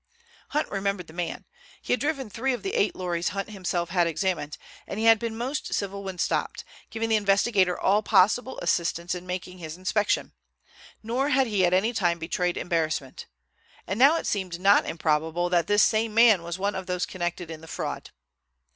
Hunt remembered the man. He had driven three of the eight lorries Hunt himself had examined, and he had been most civil when stopped, giving the investigator all possible assistance in making his inspection. Nor had he at any time betrayed embarrassment. And now it seemed not improbable that this same man was one of those concerned in the fraud.